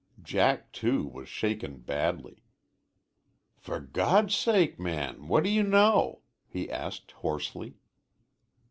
Jack, too, was shaken, badly. "For God's sake, man, what do you know?" he asked hoarsely.